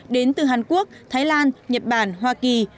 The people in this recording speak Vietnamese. đến từ hàn quốc thái lan nhật bản hoa kỳ